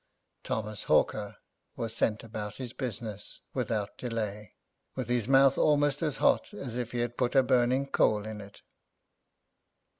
Thomas Haw[Pg 39]ker was sent about his business without delay, with his mouth almost as hot as if he had put a burning coal in it.